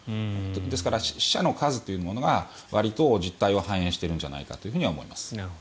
ですから、死者の数というものがわりと実態を反映してるんじゃないかと思います。